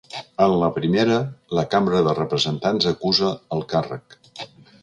En la primera, la cambra de representants acusa el càrrec.